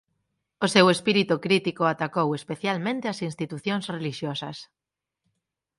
O seu espírito crítico atacou especialmente as institucións relixiosas.